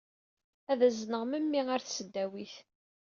Ad azneɣ memmi ɣer tesdawit.